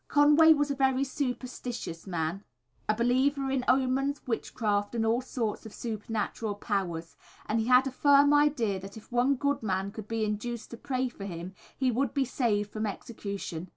Conway was a very superstitious man, a believer in omens, witchcraft and all sorts of supernatural powers, and he had a firm idea that if one good man could be induced to pray for him he would be saved from execution.